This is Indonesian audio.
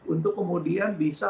untuk kemudian bisa